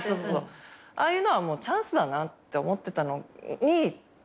ああいうのはもうチャンスだなって思ってたのにミスした。